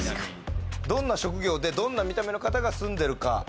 どんな職業で、どんな見た目の方が住んでいるか。